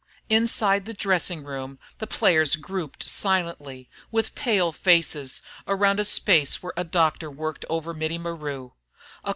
Inside the dressing room the players grouped silently, with pale faces, around a space where a doctor worked over Mittie Maru.